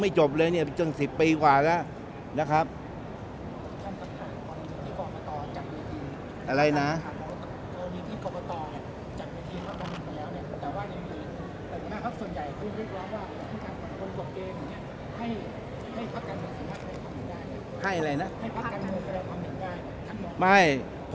ให้ภาคกรรมศาสตร์ได้ความเห็นได้ทั้งหมด